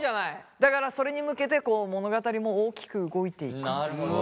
だからそれに向けて物語も大きく動いていくという。